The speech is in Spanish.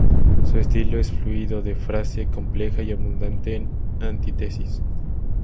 Su estilo es fluido, de frase compleja y abundante en antítesis.